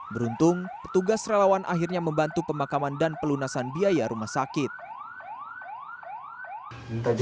beruntung petugas rakyatnya tidak memiliki uang untuk memakamkan jenazah yang sudah terbuka